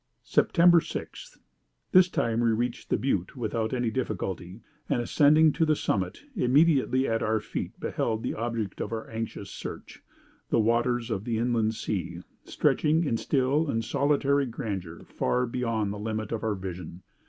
"'Sept. 6. This time we reached the butte without any difficulty; and, ascending to the summit, immediately at our feet beheld the object of our anxious search, the waters of the Inland Sea, stretching in still and solitary grandeur far beyond the limit of our vision.